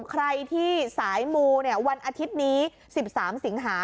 ใครที่สายมูวันอาทิตย์นี้๑๓สิงหา